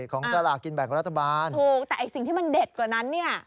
สลากินแบ่งรัฐบาลถูกแต่ไอ้สิ่งที่มันเด็ดกว่านั้นเนี่ย